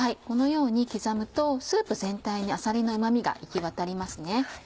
このように刻むとスープ全体にあさりのうま味が行きわたります。